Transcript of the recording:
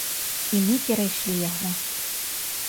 І мы перайшлі яго.